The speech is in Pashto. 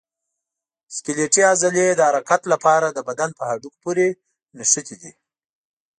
سکلیټي عضلې د حرکت لپاره د بدن په هډوکو پورې نښتي دي.